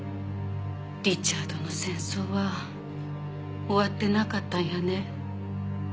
リチャードの戦争は終わってなかったんやね。